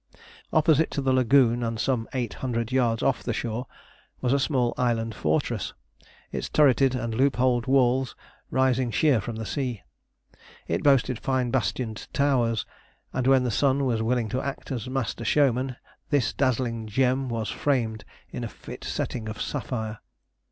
Opposite to the lagoon and some eight hundred yards off the shore was a small island fortress, its turreted and loopholed walls rising sheer from the sea. It boasted fine bastioned towers, and when the sun was willing to act as master showman this dazzling gem was framed in a fit setting of sapphire.